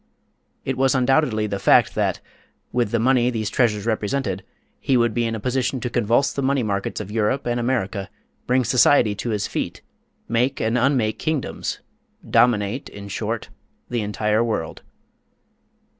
It was undoubtedly the fact that, with the money these treasures represented, he would be in a position to convulse the money markets of Europe and America, bring society to his feet, make and unmake kingdoms dominate, in short, the entire world.